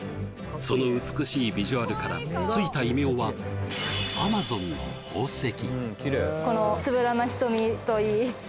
その美しいビジュアルからついた異名はアマゾンの宝石